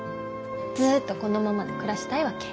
ずっとこのままで暮らしたいわけ。